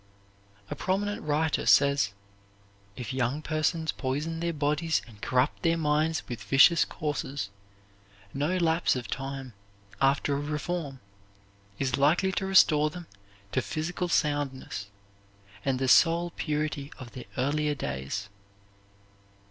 A prominent writer says: "If young persons poison their bodies and corrupt their minds with vicious courses, no lapse of time, after a reform, is likely to restore them to physical soundness and the soul purity of their earlier days."